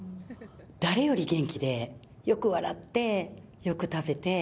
誰より元気で、よく笑って、よく食べて。